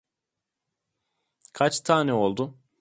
Kaç tane oldu?